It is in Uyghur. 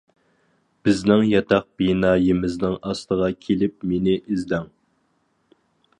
بىزنىڭ ياتاق بىنايىمىزنىڭ ئاستىغا كېلىپ مېنى ئىزدەڭ.